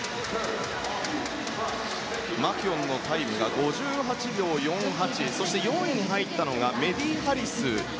マキュオンのタイムが５８秒４８そして４位に入ったのがメディ・ハリス。